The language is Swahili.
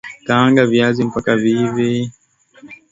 kaanga viazi mpaka viive